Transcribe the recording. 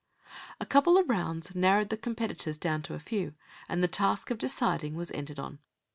A couple of rounds narrowed the competitors down to a few, and the task of deciding was entered on.